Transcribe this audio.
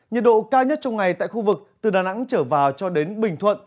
nhiệt độ cao nhất trong ngày tại khu vực từ đà nẵng trở vào cho đến bình thuận